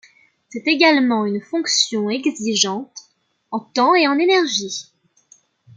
C'est également une fonction exigeante en temps et en énergie.